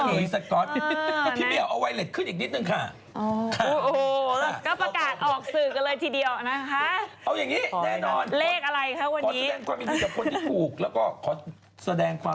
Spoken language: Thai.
สก๊อตพี่เหี่ยวเอาไวเล็ตขึ้นอีกนิดนึงค่ะ